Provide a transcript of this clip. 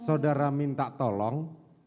saudara minta tolong